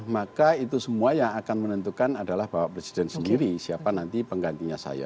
maka itu semua yang akan menentukan adalah bapak presiden sendiri siapa nanti penggantinya saya